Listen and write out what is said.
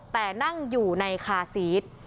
แต่นั่งอยู่ในคาซีส